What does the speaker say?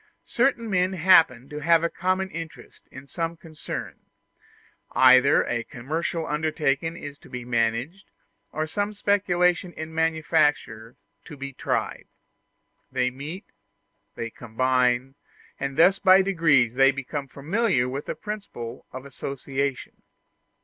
Certain men happen to have a common interest in some concern either a commercial undertaking is to be managed, or some speculation in manufactures to be tried; they meet, they combine, and thus by degrees they become familiar with the principle of association.